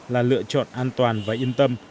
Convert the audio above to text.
là lựa chọn an toàn và yên tâm